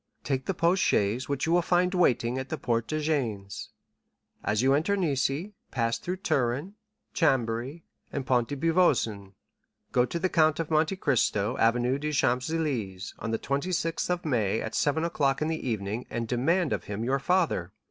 "'Take the post chaise which you will find waiting at the Porte de Gênes, as you enter Nice; pass through Turin, Chambéry, and Pont de Beauvoisin. Go to the Count of Monte Cristo, Avenue des Champs Élysées, on the 26th of May, at seven o'clock in the evening, and demand of him your father.